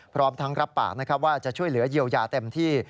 พร้อมทั้งรับปากนะครับว่าจะช่วยเหลือเยียวยาเต็มที่